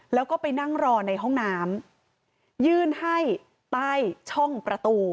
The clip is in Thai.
แล้วก็ไปนั่งรอในห้องน้ำยื่นให้ใต้ช่องประตู